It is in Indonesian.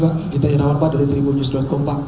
kita ingin nawar pak dari tribun news com pak